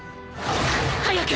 早く！